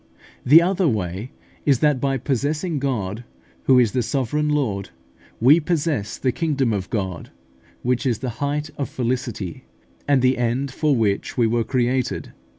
The other way is, that by possessing God, who is the sovereign Lord, we possess the kingdom of God, which is the height of felicity, and the end for which we were created.